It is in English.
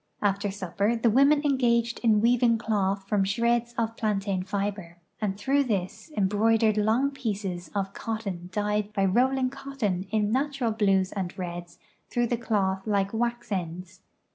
After supi)er the women engaged in weaving cloth from shreds of i)lantain fiber, and through this embroidered long pieces of cotton dyed by rolling cotton in natural l)lues and reds through the cloth like wax ends.